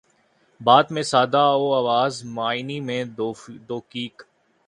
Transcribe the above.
بات میں سادہ و آزادہ، معانی میں دقیق